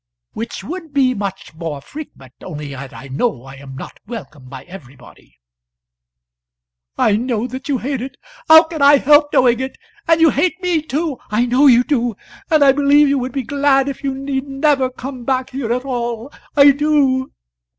"Which would be much more frequent, only that I know I am not welcome by everybody." "I know that you hate it. How can I help knowing it? and you hate me too; I know you do; and I believe you would be glad if you need never come back here at all; I do.